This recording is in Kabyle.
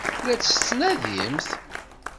La tt-tettnadimt?